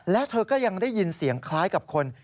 แล้วเธอก็ยังได้ยินเสียงคล้ายกับคน